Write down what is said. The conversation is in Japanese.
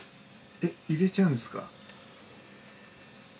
えっ入れちゃうんですか？